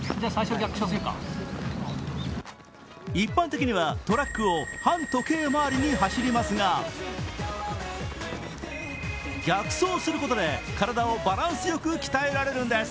一般的にはトラックを反時計回りに走りますが、逆走することで体をバランスよく鍛えられるんです。